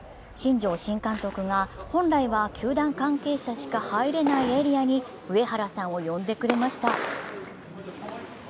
新庄新監督が本来は球団関係者しか入れないエリアに上原さんを呼んでくれました。